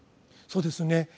そうですね。